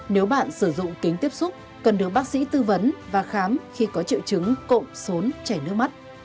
nếu bạn sử dụng kính tiếp xúc cần được bác sĩ tư vấn và khám khi có triệu chứng cộm xốn chảy nước mắt